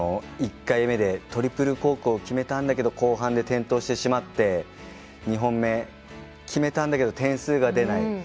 １回目でトリプルコークを決めたんだけど後半で転倒してしまって２本目決めたんだけど点数が出ない。